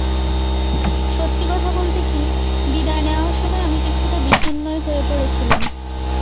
সত্যি কথা বলতে কী, বিদায় নেওয়ার সময় আমি কিছুটা বিষণ্নই হয়ে পড়েছিলাম।